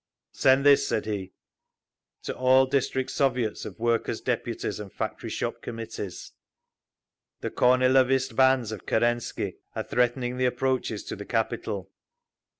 "Send this," said he. TO ALL DISTRICT SOVIETS OF WORKERS' DEPUTIES AND FACTORYSHOP COMMITTEES The Kornilovist bands of Kerensky are threatening the approaches to the capital.